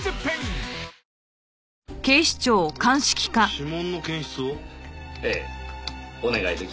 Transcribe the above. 指紋の検出を？